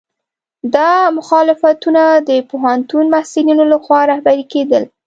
دا مخالفتونه د پوهنتون محصلینو لخوا رهبري کېدل.